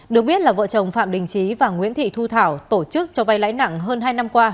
được biết là vợ chồng phạm đình trí và nguyễn thị thu thảo tổ chức cho vay lãi nặng hơn hai năm qua